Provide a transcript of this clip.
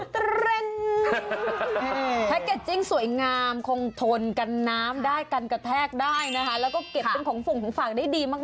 เธอแก่จิ้งสวยงามคงทนกันน้ำได้กันกระแทกได้แล้วก็ของฝั่งได้ดีมาก